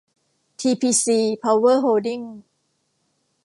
ทีพีซี เพาเวอร์โฮลดิ้ง